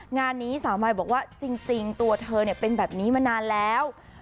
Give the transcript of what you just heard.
งานนี้สาวมายบอกว่าจริงตัวเธอเป็นแบบนี้มานานแล้ว